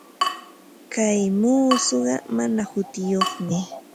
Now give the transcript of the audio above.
Kay muusuqa mana hutiyuqmi.